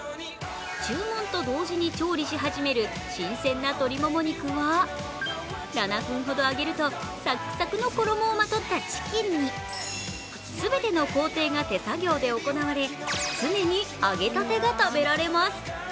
注文と同時に調理し始める新鮮な鶏もも肉は７分ほど揚げると、サックサクの衣をまとったチキンに全ての工程が手作業で行われ常に揚げたてが食べられます。